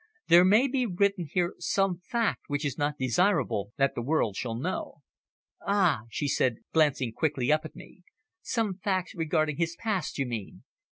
There may be written here some fact which it is not desirable that the world shall know." "Ah!" she said, glancing quickly up at me. "Some facts regarding his past, you mean.